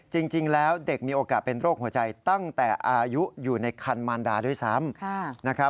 จริงแล้วเด็กมีโอกาสเป็นโรคหัวใจตั้งแต่อายุอยู่ในคันมารดาด้วยซ้ำนะครับ